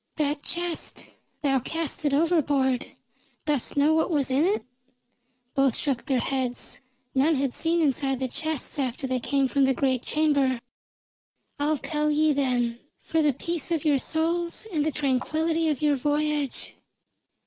"That chest, thou cast it overboard. Dost know what was in it?" Both shook their heads. None had seen inside the chests after they came from the great chamber. "I'll tell ye, then, for the peace of your souls and the tranquillity of your voyage.